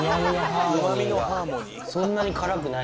そんなに辛くない。